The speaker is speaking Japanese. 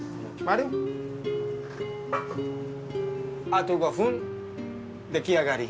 あと５分出来上がり。